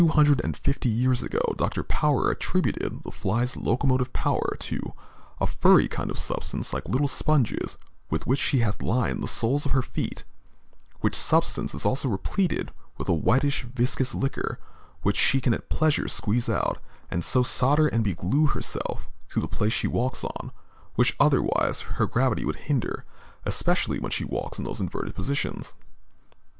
About 250 years ago Dr. Power attributed the fly's locomotive power to "a furry kind of substance like little sponges with which she hath lined the soles of her feet, which substance is also repleated with a whitish viscous liquor, which she can at pleasure squeeze out, and so sodder and be glue herself to the place she walks on, which otherwise her gravity would hinder, especially when she walks in those inverted positions."